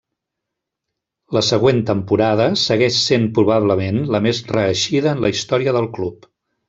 La següent temporada segueix sent probablement la més reeixida en la història del club.